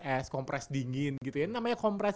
es kompres dingin gitu ya namanya kompres